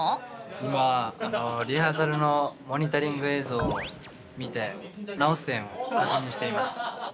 今リハーサルのモニタリング映像を見て直す点を確認していました。